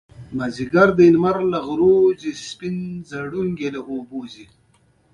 آیا تار او سه تار هلته نه جوړیږي؟